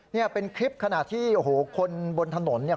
นี่เป็นคลิปขณะที่โอ้โหคนบนถนนเนี่ย